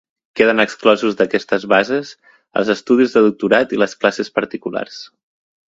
Queden exclosos d'aquestes bases els estudis de doctorat i les classes particulars.